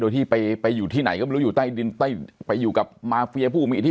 ขอบคุณการติดตามรับชมเปิดปากกับภาคภูมิ